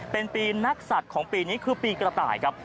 เป็นปีนักศัตริย์ของปีนี้คือปีกระต่ายครับ